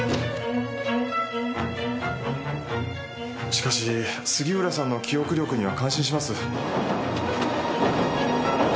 しかし杉浦さんの記憶力には感心します。